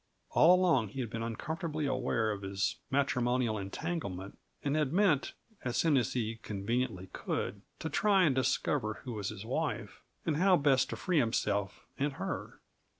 All along he had been uncomfortably aware of his matrimonial entanglement and had meant, as soon as he conveniently could, to try and discover who was his wife, and how best to free himself and her.